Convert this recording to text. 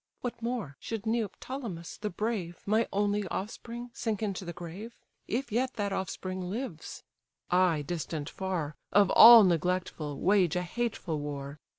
What more, should Neoptolemus the brave, My only offspring, sink into the grave? If yet that offspring lives; (I distant far, Of all neglectful, wage a hateful war.)